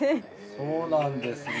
そうなんですね。